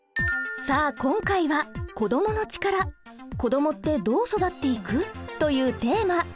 さあ今回は「子どものチカラ子どもってどう育っていく？」というテーマ！